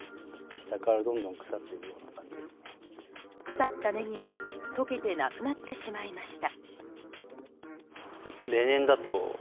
腐ったネギは溶けてなくなってしまいました。